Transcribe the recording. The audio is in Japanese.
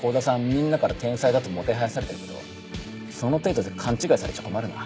みんなから天才だともてはやされてるけどその程度で勘違いされちゃ困るな。